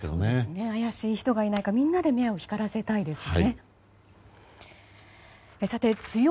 怪しい人がいないかみんなで目を光らせたいですね。